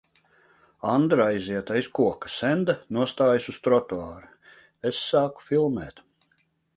Andra aiziet aiz koka. Senda nostājas uz trotuāra. Es sāku filmēt.